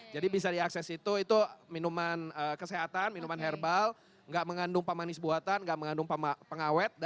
jadi bisa diakses itu itu minuman kesehatan minuman herbal gak mengandung pamanis buatan gak mengandung pengawet